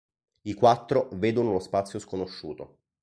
I quattro vedono uno spazio sconosciuto.